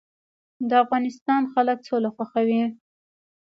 د افغانستان خلک سوله خوښوي